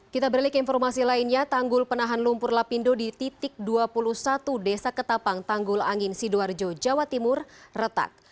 kita berlik informasi lainnya tanggul penahan lumpur lapindo di titik dua puluh satu desa ketapang tanggul angin sidoarjo jawa timur retak